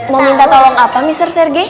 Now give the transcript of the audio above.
mau minta tolong apa mister serge